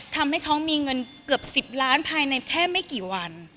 ทำให้เขามีเงินเกือบ๑๐ล้านภายในแค่ไม่กี่วัน